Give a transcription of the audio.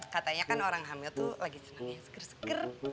katanya kan orang hamil tuh lagi senangnya seger seger